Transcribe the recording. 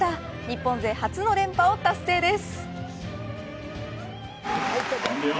日本勢初の連覇達成です。